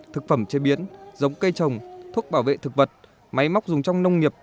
thực phẩm chế biến giống cây trồng thuốc bảo vệ thực vật máy móc dùng trong nông nghiệp